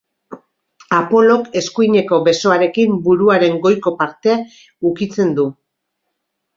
Apolok eskuineko besoarekin buruaren goiko partea ukitzen du.